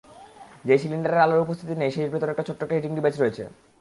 যেই সিলিন্ডারে আলোর উপস্থিতি নেই, তার ভেতর একটা ছোট্ট হিটিং ডিভাইস রয়েছে।